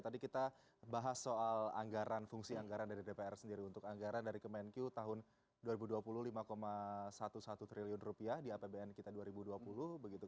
tadi kita bahas soal anggaran fungsi anggaran dari dpr sendiri untuk anggaran dari kemenku tahun dua ribu dua puluh lima sebelas triliun rupiah di apbn kita dua ribu dua puluh begitu